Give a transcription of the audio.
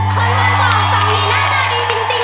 คนบางกอกขับเหนี้ยหน้าตาดีจริงเลย